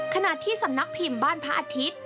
ขณะที่สำนักพิมพ์บ้านพระอาทิตย์